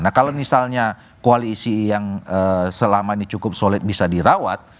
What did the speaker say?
nah kalau misalnya koalisi yang selama ini cukup solid bisa dirawat